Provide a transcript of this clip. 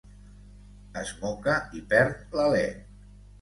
Es moca i perd l'alè.